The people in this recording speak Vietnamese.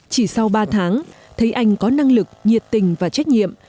chỉ sau ba tháng thấy anh có năng lực nhiệt tình và trách nhiệm